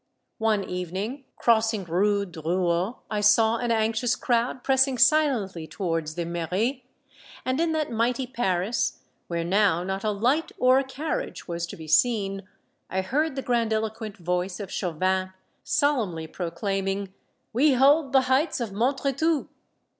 One evening, crossing Rue Drouot, I saw an anx ious crowd pressing silently towards the mairie, and in that mighty Paris, where now not a light or a carriage was to be seen, I heard the grandiloquent voice of Chauvin, solemnly proclaiming, " We hold the heights of Montretout